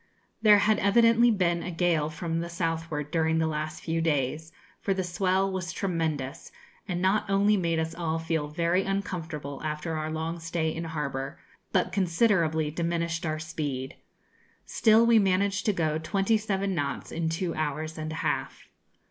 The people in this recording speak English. There had evidently been a gale from the southward during the last few days, for the swell was tremendous, and not only made us all feel very uncomfortable after our long stay in harbour, but considerably diminished our speed. Still, we managed to go twenty seven knots in two hours and a half.